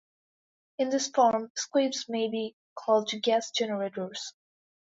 In this form, squibs may be called gas generators.